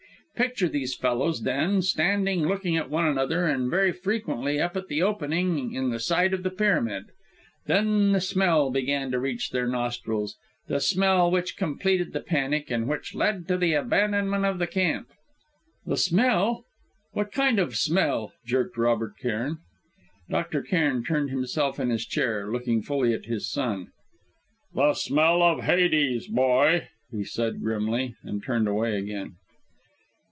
Picture these fellows, then, standing looking at one another, and very frequently up at the opening in the side of the pyramid. Then the smell began to reach their nostrils the smell which completed the panic, and which led to the abandonment of the camp " "The smell what kind of smell?" jerked Robert Cairn. Dr. Cairn turned himself in his chair, looking fully at his son. "The smell of Hades, boy!" he said grimly, and turned away again.